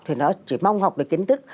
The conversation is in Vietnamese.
thì nó chỉ mong học được kiến thức